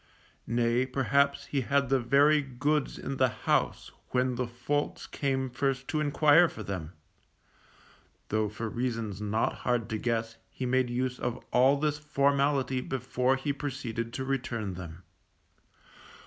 Nay, perhaps, he had the very goods in the house when the folks came first to enquire for them; though for reasons not hard to guess he made use of all this formality before he proceeded to return them.